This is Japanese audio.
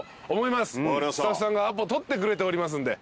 スタッフさんがアポ取ってくれておりますんで。